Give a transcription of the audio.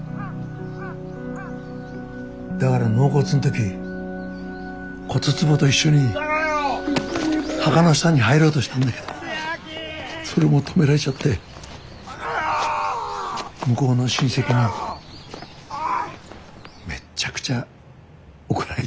だから納骨の時骨つぼと一緒に墓の下に入ろうとしたんだけどそれも止められちゃって向こうの親戚にめっちゃくちゃ怒られちゃってさ。